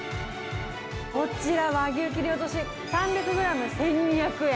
こちら、和牛切り落とし３００グラム１２００円。